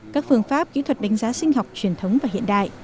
các phương pháp kỹ thuật đánh giá sinh học truyền thống và hiện đại